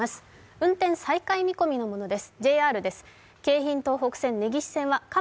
運転再開見込みのものです。